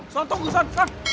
son tunggu son